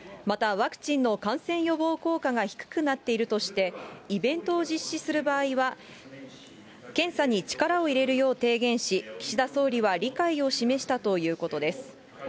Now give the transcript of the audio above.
またワクチンの感染予防効果が低くなっているとして、イベントを実施する場合は、検査に力を入れるよう提言し、岸田総理は理解を示したということです。